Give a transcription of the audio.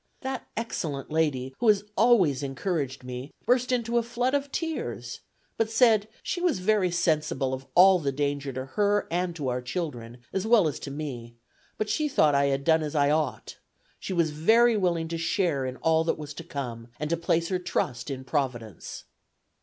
That excellent lady, who has always encouraged me, burst into a flood of tears, but said she was very sensible of all the danger to her and to our children, as well as to me, but she thought I had done as I ought; she was very willing to share in all that was to come, and to place her trust in Providence."